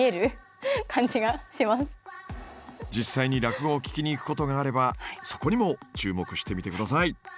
実際に落語を聞きに行くことがあればそこにも注目してみてください。